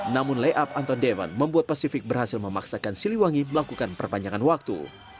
namun layout anton deven membuat pasifik berhasil memaksakan siliwangi melakukan perpanjangan waktu